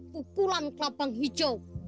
pukulan kelabang hijau